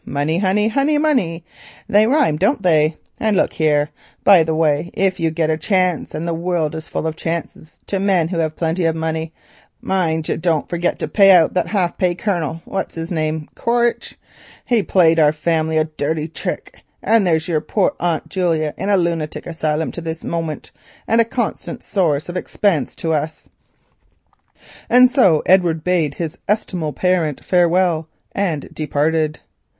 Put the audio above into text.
Money—honey, honey—money, they rhyme, don't they? And look here, by the way, if you get a chance—and the world is full of chances to men who have plenty of money—mind you don't forget to pay out that half pay Colonel—what's his name?—Quaritch. He played our family a dirty trick, and there's your poor Aunt Julia in a lunatic asylum to this moment and a constant source of expense to us." And so Edward bade his estimable parent farewell and departed.